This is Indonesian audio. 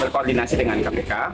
berkoordinasi dengan kpk